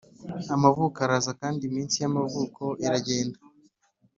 amavuko araza kandi iminsi y'amavuko iragenda,